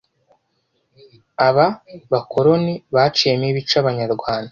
Aba bakoroni baciyemo ibice Abanyarwanda